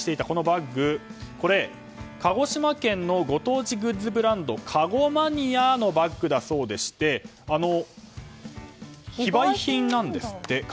このバッグ鹿児島県のご当地グッズブランドカゴマニアのバッグだそうでして非売品なんですって。